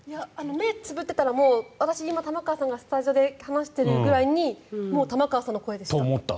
目をつむっていたら私、今、玉川さんがスタジオで話しているぐらいにもう玉川さんの声でした。